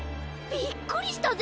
びっくりしたぜ。